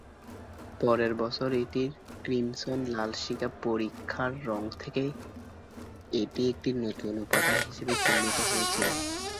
পরের বছর এটির ক্রিমসন-লাল শিখা পরীক্ষার রঙ থেকে এটি একটি নতুন উপাদান হিসাবে চিহ্নিত হয়েছিল।